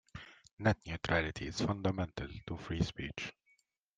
Net neutrality is fundamental to free speech.